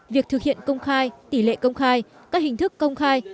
việc thực hiện công khai tỷ lệ công khai các hình thức công khai